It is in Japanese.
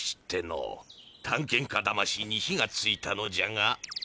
たんけん家だましいに火がついたのじゃが。